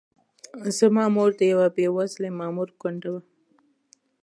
زما مور د یوه بې وزلي مامور کونډه وه.